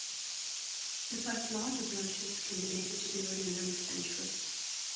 The five larger brooches can be dated to the early ninth century.